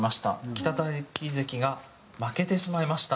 北太樹関が負けてしまいました。